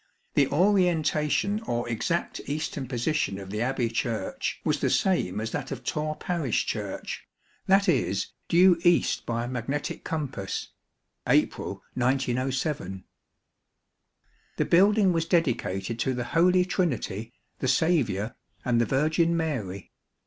The orientation or exact eastern position of the Abbey Church was the same as that of Tor Parish Church, i.e., due east by magnetic compass (April 1907). The building was dedicated to the Holy Trinity, the Saviour, and the Virgin Mary.